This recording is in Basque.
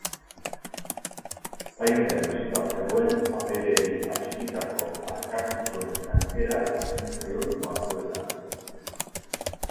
Zaintzen hasita zegoen abereei atxikitako arkakusoen tankera hartzen zion batzuetan.